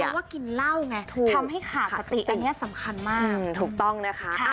เพราะว่ากินเหล้าไงทำให้ขาดสติอันนี้สำคัญมาก